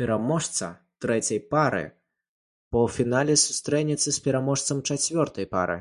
Пераможца трэцяй пары ў паўфінале сустрэнецца з пераможцам чацвёртай пары.